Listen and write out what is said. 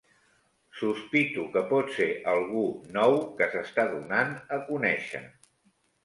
Sospito que pot ser algú nou que s'està donant a conèixer.